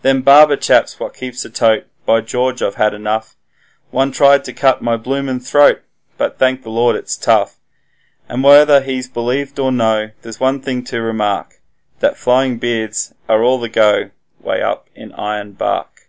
'Them barber chaps what keeps a tote, By George, I've had enough, One tried to cut my bloomin' throat, but thank the Lord it's tough.' And whether he's believed or no, there's one thing to remark, That flowing beards are all the go way up in Ironbark.